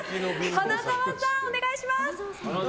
花澤さん、お願いします。